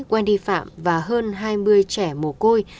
wendy phạm và hơn hai mươi trẻ mồ côi